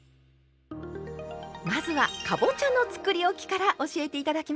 まずはかぼちゃのつくりおきから教えて頂きましょう。